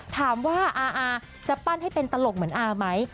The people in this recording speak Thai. ถามว่าอาจะปั้นให้เป็นตลกเหมือนอาไหม